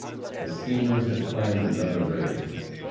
The schemers had planned another raid.